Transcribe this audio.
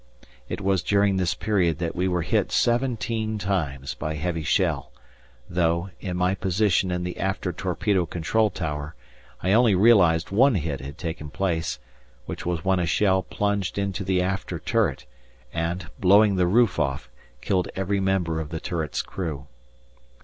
It was during this period that we were hit seventeen times by heavy shell, though, in my position in the after torpedo control tower, I only realized one hit had taken place, which was when a shell plunged into the after turret and, blowing the roof off, killed every member of the turret's crew.